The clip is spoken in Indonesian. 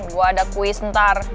gue ada kuis ntar